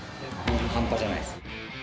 半端じゃないです。